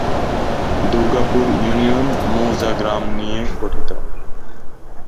Durgapur union মৌজা/গ্রাম নিয়ে গঠিত।